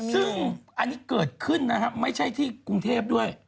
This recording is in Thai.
ซึ่งอันนี้เกิดขึ้นนะฮะไม่ใช่ที่กรุงเทพด้วย